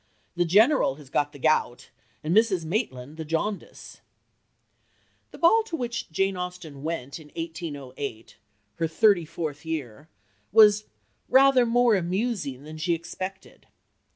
The General has got the gout, and Mrs. Maitland the jaundice." A ball to which Jane Austen went in 1808 her thirty fourth year was "rather more amusing" than she expected.